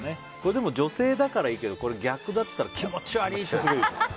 でも、女性だからいいけど逆だったら気持ち悪い！って。